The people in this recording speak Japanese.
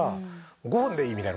「５分でいい。